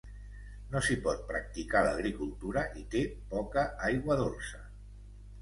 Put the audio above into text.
No s'hi pot practicar l'agricultura i té poca aigua dolça.